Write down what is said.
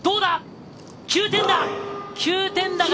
９点だ！